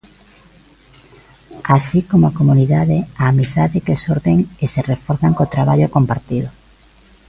Así como a comunidade, a amizade que xorden e se reforzan co traballo compartido.